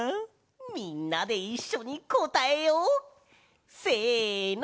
みんなでいっしょにこたえよう！せの！